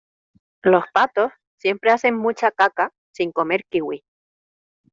los patos siempre hacen mucha caca sin comer kiwi.